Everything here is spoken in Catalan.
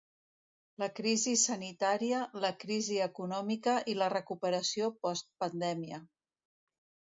La crisi sanitària, la crisi econòmica i la recuperació post-pandèmia.